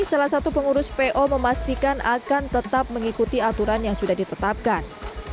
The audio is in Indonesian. salah satu pengurus po memastikan akan tetap mengikuti aturan yang sudah ditetapkan